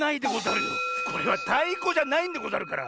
これはたいこじゃないんでござるから。